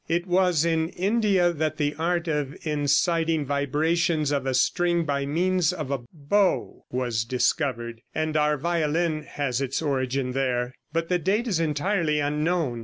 It was in India that the art of inciting vibrations of a string by means of a bow was discovered; and our violin had its origin there, but the date is entirely unknown.